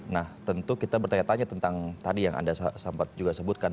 nah tentu kita bertanya tanya tentang tadi yang anda sempat juga sebutkan